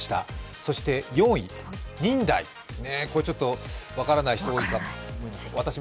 そして４位、ニンダイ、これちょっと分からない人が多いかも。